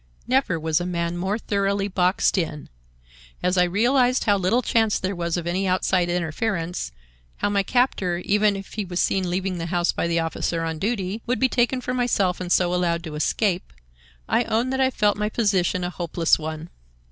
"Never was a man more thoroughly boxed in. As I realized how little chance there was of any outside interference, how my captor, even if he was seen leaving the house by the officer on duty, would be taken for myself and so allowed to escape, I own that I felt my position a hopeless one.